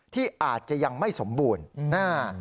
ที่อาจจะยังไม่สมบูรณ์หน้า